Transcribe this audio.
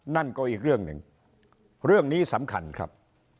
นั่นก็อีกเรื่องหนึ่งเรื่องนี้สำคัญครับ